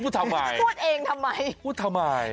ทำไมพูดเองทำไมพูดทำไม